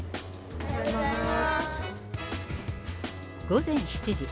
午前７時。